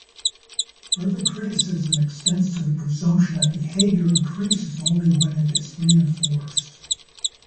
Further criticism extends to the presumption that behavior increases only when it is reinforced.